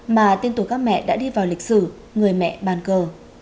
mà tiên tù các mẹ đã đi vào lịch sử người mẹ bàn cờ